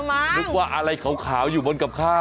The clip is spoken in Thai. นึกว่าอะไรขาวอยู่บนกับข้าว